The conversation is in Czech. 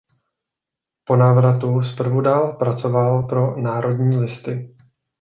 Po návratu zprvu dál pracoval pro "Národní listy".